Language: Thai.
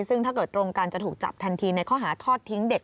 ซึ่งถ้าเกิดตรงกันจะถูกจับทันทีในข้อหาทอดทิ้งเด็ก